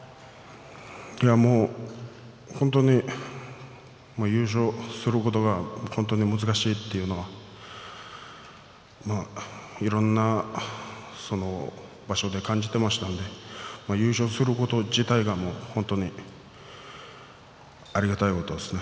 いや、もう本当に優勝することが本当に難しいというのがいろんな場所で感じていましたので優勝すること自体が本当にありがたいことですね。